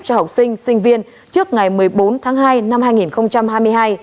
cho học sinh sinh viên trước ngày một mươi bốn tháng hai năm hai nghìn hai mươi hai